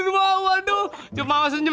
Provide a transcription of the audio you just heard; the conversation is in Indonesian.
waduh mama senyum